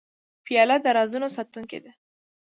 پیاله د رازونو ساتونکې ده.